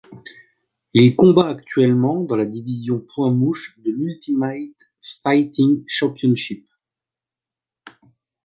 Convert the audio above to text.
Il combat actuellement dans la division poids mouche de l'Ultimate Fighting Championship.